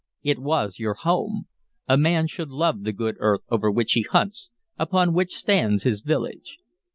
It was your home: a man should love the good earth over which he hunts, upon which stands his village.